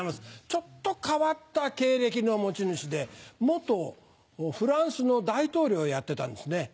ちょっと変わった経歴の持ち主で元フランスの大統領をやってたんですね。